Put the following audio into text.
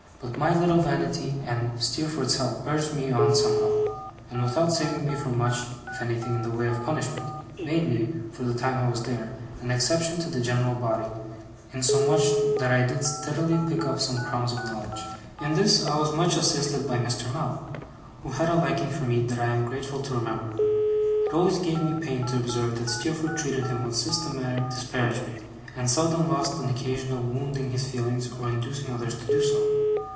But my little vanity, and Steerforth's help, urged me on somehow; and without saving me from much, if anything, in the way of punishment, made me, for the time I was there, an exception to the general body, insomuch that I did steadily pick up some crumbs of knowledge. In this I was much assisted by Mr. Mell, who had a liking for me that I am grateful to remember. It always gave me pain to observe that Steerforth treated him with systematic disparagement, and seldom lost an occasion of wounding his feelings, or inducing others to do so.